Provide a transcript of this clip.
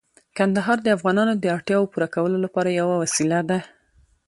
کندهار د افغانانو د اړتیاوو پوره کولو لپاره یوه وسیله ده.